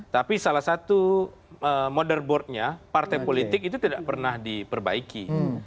tapi salah satu motherboardnya partai politik itu tidak pernah diperbaiki